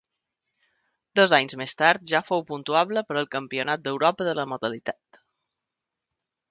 Dos anys més tard ja fou puntuable per al Campionat d'Europa de la modalitat.